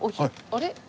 あれ？